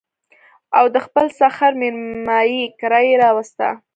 او د خپل سخر مېرمايي کره يې راوسته